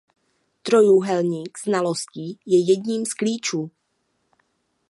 Trojúhelník znalostí je jedním z klíčů.